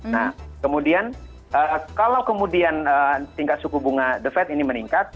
nah kemudian kalau kemudian tingkat suku bunga the fed ini meningkat